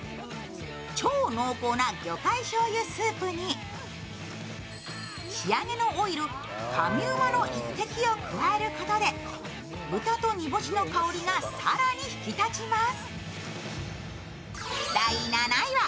超濃厚な魚介しょうゆスープに仕上げのオイル、神旨の一滴を加えることで豚と煮干しの香りが更に引き立ちます。